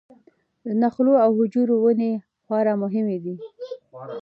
د نخلو او خجورو ونې خورا مهمې دي.